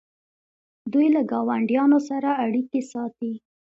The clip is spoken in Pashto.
دوی له ګاونډیانو سره اړیکې ساتي.